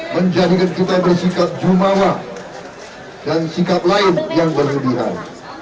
menjadikan kita bersikap jumawa dan sikap lain yang berlebihan